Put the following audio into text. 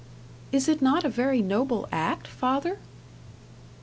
"Is it not a very noble act, father?"